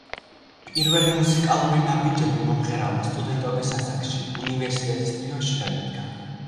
პირველი მუსიკალური ნაბიჯები მომღერალმა სტუდენტობის ასაკში, უნივერსიტეტის ტრიოში, გადადგა.